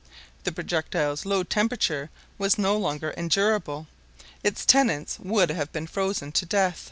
The projectile's low temperature was no longer endurable. Its tenants would have been frozen to death.